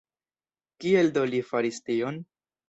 Kiel do li faris tion?